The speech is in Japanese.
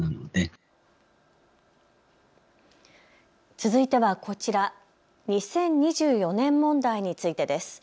続いてはこちら２０２４年問題についてです。